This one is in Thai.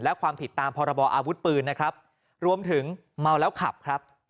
และความผิดตามพรบออาวุธปืนนะครับรวมถึงเมาแล้วขับครับ